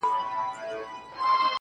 o ځكه دنيا مي ته يې.